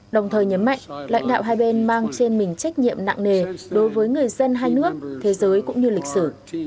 đồng thời nhấn mạnh lãnh đạo hai bên mang trên mình trách nhiệm nặng nề đối với người dân hai nước thế giới cũng như lịch sử